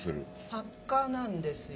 ハッカなんですよ。